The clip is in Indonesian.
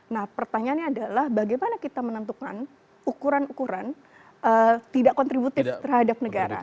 nah pertanyaannya adalah bagaimana kita menentukan ukuran ukuran tidak kontributif terhadap negara